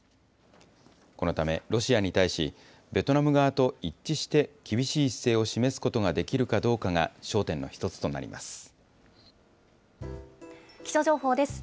このためロシアに対し、ベトナム側と一致して、厳しい姿勢を示すことができるかどうかが焦点の一気象情報です。